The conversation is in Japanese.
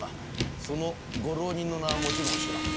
そのご浪人の名はもちろん知らん。